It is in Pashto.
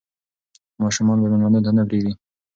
ماشومان به مېلمنو ته نه پرېږدي.